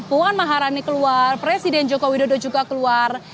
puan maharani keluar presiden joko widodo juga keluar